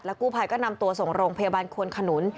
กู้ภัยก็นำตัวส่งโรงพยาบาลควนขนุน